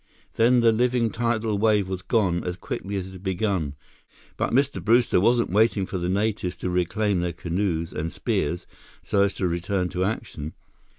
Then the living tidal wave was gone as quickly as it had begun. But Mr. Brewster wasn't waiting for the natives to reclaim their canoes and spears so as to return to action.